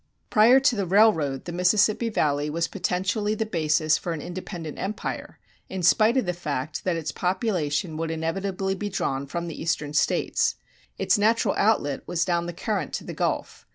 [187:1] Prior to the railroad the Mississippi Valley was potentially the basis for an independent empire, in spite of the fact that its population would inevitably be drawn from the Eastern States. Its natural outlet was down the current to the Gulf.